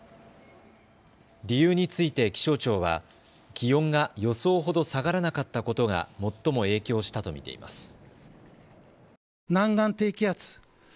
理由について気象庁は気温が予想ほど下がらなかったことが最も影響したと見ています。